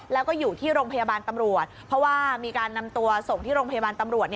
แล้วก็อยู่ที่โรงพยาบาลตำรวจเพราะว่ามีการนำตัวส่งที่โรงพยาบาลตำรวจ